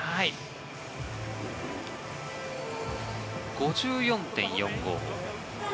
５４．４５。